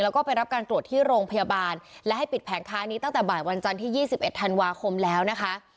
แล้วก็ไปรับการตรวจที่โรงพยาบาลและให้ปิดแผงค้านี้ตั้งแต่บ่ายวันจันทร์ที่๒๑ธันวาคมแล้วนะคะ